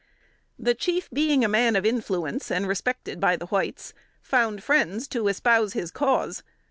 The chief being a man of influence and respected by the whites, found friends to espouse his cause.